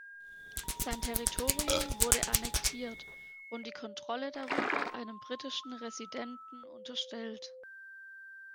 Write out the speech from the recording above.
Sein Territorium wurde annektiert und die Kontrolle darüber einem britischen Residenten unterstellt.